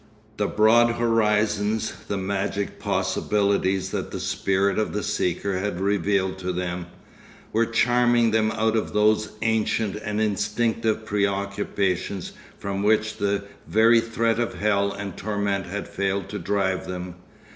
The broad horizons, the magic possibilities that the spirit of the seeker had revealed to them, were charming them out of those ancient and instinctive preoccupations from which the very threat of hell and torment had failed to drive them.